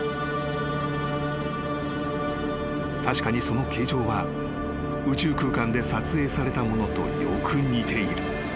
［確かにその形状は宇宙空間で撮影されたものとよく似ている］